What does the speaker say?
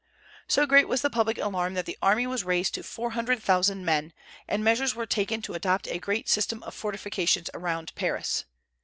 So great was the public alarm that the army was raised to four hundred thousand men, and measures were taken to adopt a great system of fortifications around Paris.